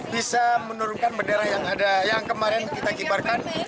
bisa menurunkan bendera yang kemarin kita kibarkan